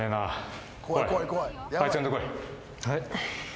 はい。